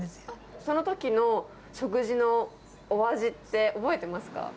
そのときの食事のお味って覚えてますか？